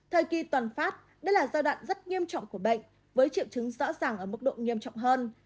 thời kỳ toàn phát đây là giai đoạn rất nghiêm trọng của bệnh với triệu chứng rõ ràng ở mức độ nghiêm trọng hơn